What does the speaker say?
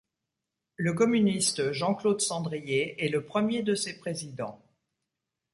Le communiste Jean-Claude Sandrier est le premier de ses présidents.